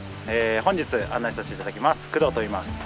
本日案内させて頂きます工藤といいます。